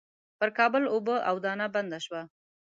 پر کابل اوبه او دانه بنده شوې.